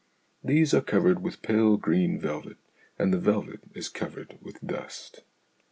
These are covered with pale green velvet, and the velvet is covered with dust.